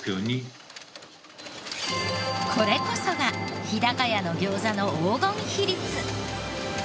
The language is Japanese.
これこそが日高屋の餃子の黄金比率。